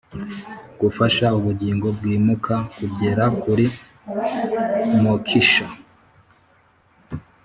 gufasha ubugingo bwimuka kugera kuri moksha